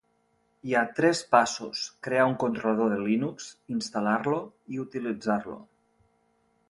Hi ha tres passos: Crear un controlador de Linux, instal·lar-lo i utilitzar-lo.